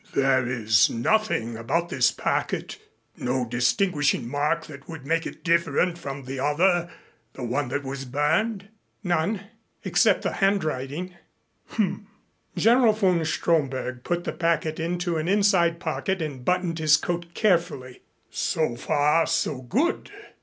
"There is nothing about this packet, no distinguishing mark that would make it different from the other, the one that was burned?" "None, except the handwriting." "H m." General von Stromberg put the packet into an inside pocket and buttoned his coat carefully. "So far so good.